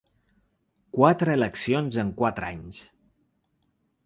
Quatre eleccions en quatre anys.